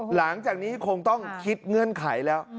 หลังจากนี้คงต้องคิดเงื่อนไขแล้ว